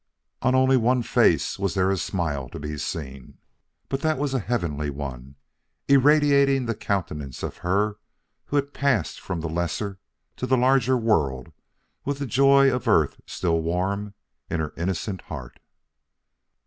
On only one face was there a smile to be seen, but that was a heavenly one, irradiating the countenance of her who had passed from the lesser to the larger world with the joy of earth still warm in her innocent heart.